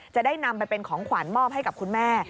จะได้นำไปเป็นของขวัญมอบให้กับคุณแม่